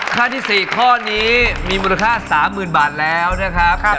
ข้านี่๔ข้อนี้มีมูลค้าสามหมื่นบาทแล้วนะครับ